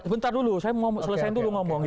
bentar dulu saya selesaikan dulu ngomong